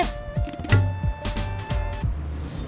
jangan dikasih pede